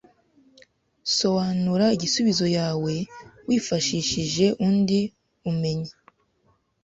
Soanura igisuizo yawe wifashishije uundi umenyi